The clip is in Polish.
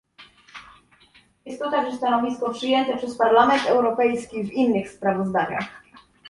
Jest to także stanowisko przyjęte przez Parlament Europejski w innych sprawozdaniach